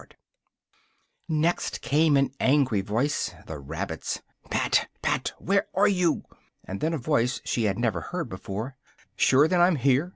Next came an angry voice the rabbit's "Pat, Pat! where are you?" And then a voice she had never heard before, "shure then I'm here!